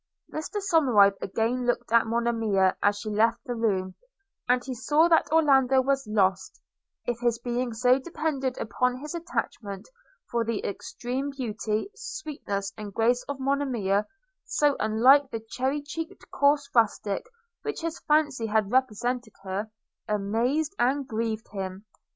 Mr Somerive again looked at Monimia as she left the room, and he saw that Orlando was lost, if his being so depended upon his attachment; for the extreme beauty, sweetness and grace of Monimia, so unlike the cherry cheeked coarse rustic which his fancy had represented her, amazed and grieved him.